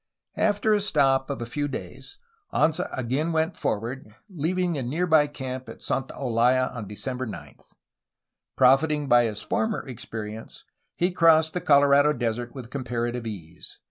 After a stop of a few days, Anza again went forward, leaving the near by camp at Santa Olaya on December 9. Profiting by his former experience, he crossed the Colorado Desert with comparative ease.